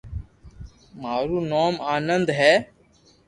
مارو نوم آنند ھي